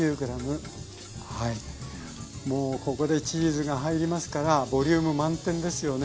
もうここでチーズが入りますからボリューム満点ですよね。